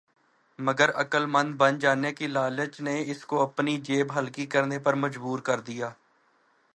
مگر عقل مند بن جانے کی لالچ نے اس کو اپنی جیب ہلکی کرنے پر مجبور کر دیا۔